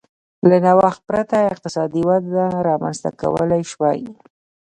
له نوښت پرته اقتصادي وده رامنځته کولای شوای